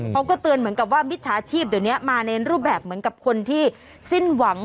เขาก็เตือนเหมือนกับว่ามิจฉาชีพเดี๋ยวนี้มาในรูปแบบเหมือนกับคนที่สิ้นหวัง